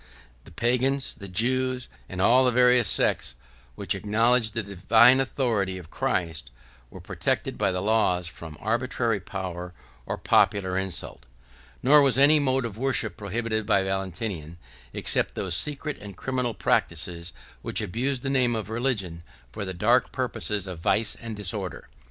65 The Pagans, the Jews, and all the various sects which acknowledged the divine authority of Christ, were protected by the laws from arbitrary power or popular insult; nor was any mode of worship prohibited by Valentinian, except those secret and criminal practices, which abused the name of religion for the dark purposes of vice and disorder.